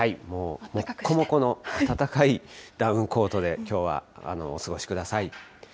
もっこもこのあたたかいダウンコートで、きょうはお過ごしください。